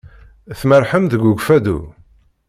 Tmerrḥem deg Ukfadu?